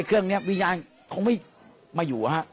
ไอ้เครื่องนี้โวิญญาณเขาไม่มาอยู่